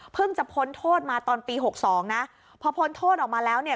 จะพ้นโทษมาตอนปีหกสองนะพอพ้นโทษออกมาแล้วเนี่ย